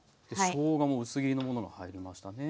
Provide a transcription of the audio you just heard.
しょうがも薄切りのものが入りましたね。